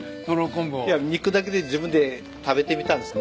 いや肉だけで自分で食べてみたんですね。